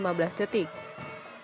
nomor dua ratus meter gaya bebas putra